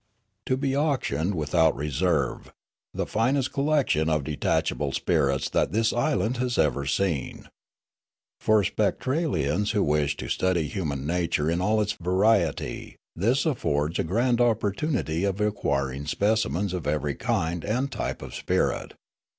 ' To be auctioned without reser^'e, the finest collection of detachable spirits that this island has ever seen. For Spectralians who wish to .study human nature in all its variety this affords a grand opportunity Spectralia 349 of acquiring specimens of every kind and type of spirit.